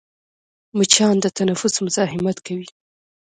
مچان د تنفس مزاحمت کوي